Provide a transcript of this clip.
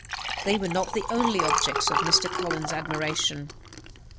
They were not the only objects of Mr. Collins's admiration.